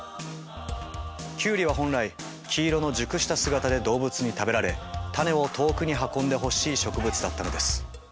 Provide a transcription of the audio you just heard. キュウリは本来黄色の熟した姿で動物に食べられ種を遠くに運んでほしい植物だったのです。